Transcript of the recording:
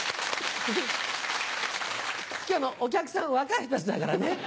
今日のお客さん若い人たちだからね。